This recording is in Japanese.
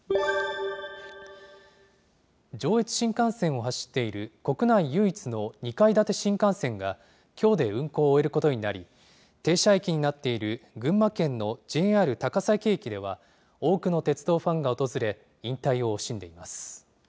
上越新幹線を走っている国内唯一の２階建て新幹線が、きょうで運行を終えることになり、停車駅になっている群馬県のＪＲ高崎駅では、多くの鉄道ファンが訪れ、引退を惜しんでいます。